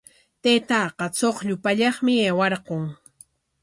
Taytaaqa chuqllu pallaqmi aywarqun.